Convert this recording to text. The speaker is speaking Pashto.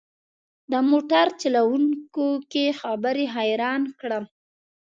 د موټر چلوونکي خبرې حيران کړم.